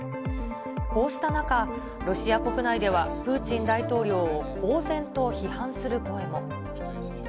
こうした中、ロシア国内では、プーチン大統領を公然と批判する声も。